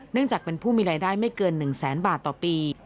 จากเป็นผู้มีรายได้ไม่เกิน๑แสนบาทต่อปี